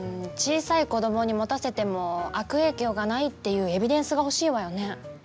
小さい子どもに持たせても悪影響がないっていうエビデンスが欲しいわよね。